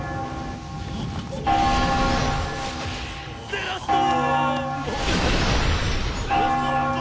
ゼラスト！